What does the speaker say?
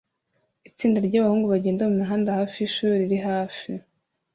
Itsinda ryabahungu bagenda mumihanda hafi yishuri riri hafi